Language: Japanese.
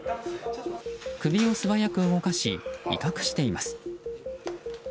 首を素早く動かし威嚇しています。